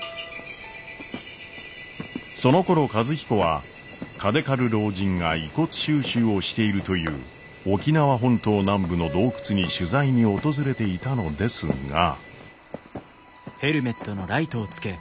そのころ和彦は嘉手刈老人が遺骨収集をしているという沖縄本島南部の洞窟に取材に訪れていたのですが。